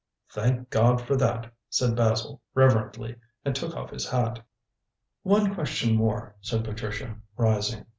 "Thank God for that!" said Basil reverently, and took off his hat. "One question more," said Patricia, rising.